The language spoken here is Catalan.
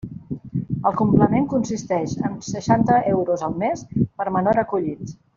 El complement consisteix en seixanta euros al mes per menor acollit.